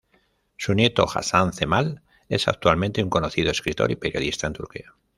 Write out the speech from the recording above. Su nieto Hasan Cemal es actualmente un conocido escritor y periodista en Turquía.